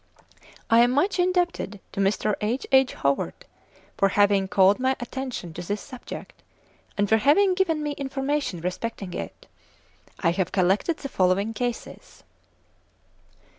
I am much indebted to Mr. H.H. Howorth for having called my attention to this subject, and for having given me information respecting it. I have collected the following cases.